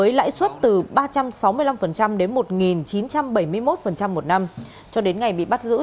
với lãi suất từ ba trăm sáu mươi năm đến một chín trăm bảy mươi một một năm cho đến ngày bị bắt giữ